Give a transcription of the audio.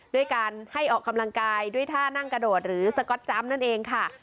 ด้วยการให้ออกกำลังกายด้วยท่านั่งกระโดดหรือสก๊อตจำนั่นเองค่ะ